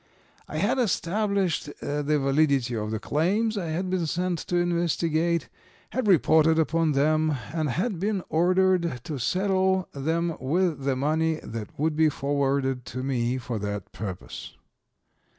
I had established the validity of the claims I had been sent to investigate, had reported upon them, and had been ordered to settle them with the money that would be forwarded to me for that purpose.